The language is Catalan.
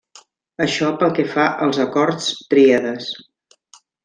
Això pel que fa als acords tríades.